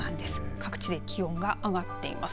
各地で気温が上がっています。